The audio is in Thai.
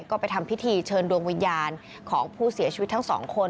ก็ไปทำพิธีเชิญดวงวิญญาณของผู้เสียชีวิตทั้งสองคน